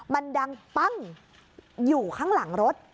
มันดังปั้งอยู่ข้างหลังรถ